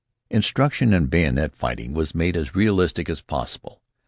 Instruction in bayonet fighting was made as realistic as possible.